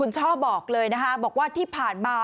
ช่อบอกเลยนะคะบอกว่าที่ผ่านมา